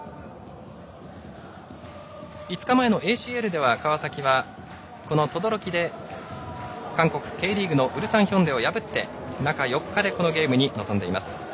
５日前のＡＣＬでは川崎は等々力で韓国Ｋリーグのウルサンヒョンデを破って中４日でこのゲームに臨んでいます。